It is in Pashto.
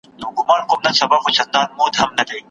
هتکړۍ به دي تل نه وي